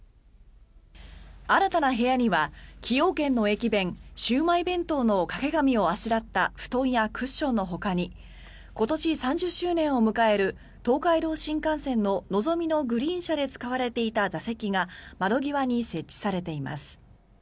新たな部屋には崎陽軒の駅弁シウマイ弁当の掛け紙をあしらった布団やクッションのほかに今年３０周年を迎える東海道新幹線ののぞみのグリーン車で使われていた座席が窓際に設置されています。